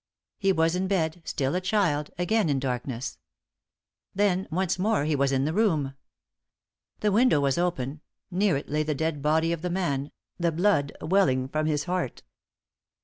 He was in bed still a child again in darkness. Then once more he was in the room. The window was open; near it lay the dead body of the man, the blood welling from his heart.